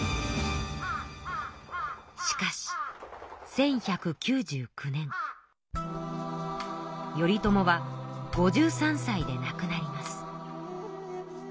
しかし１１９９年頼朝は５３歳で亡くなります。